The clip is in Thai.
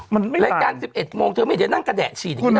มันไม่ต่างรายการ๑๑โมงเธอไม่ได้นั่งกระแดะฉีด